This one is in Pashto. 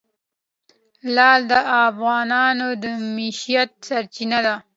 لعل د افغانانو د معیشت سرچینه ده.